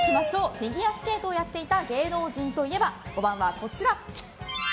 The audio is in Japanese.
フィギュアスケートをやっていた芸能人といえば？